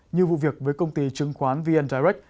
như vụ việc với công ty chứng khoán viên tài năng